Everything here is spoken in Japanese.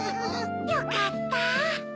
よかった。